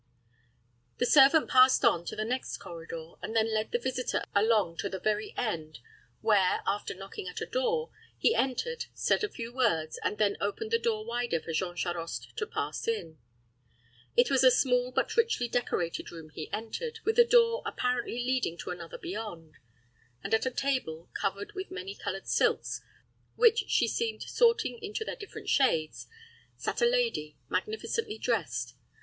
The servant passed on to the next corridor, and then led the visitor along to the very end, where, after knocking at a door, he entered, said a few words, and then opened the door wider for Jean Charost to pass in. It was a small, but richly decorated room he entered, with a door, apparently leading to another beyond; and at a table, covered with many colored silks, which she seemed sorting into their different shades, sat a lady, magnificently dressed.